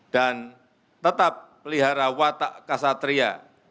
dan tetap pelihara watak ksatria